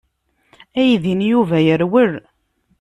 Aydi n Yuba yerwel.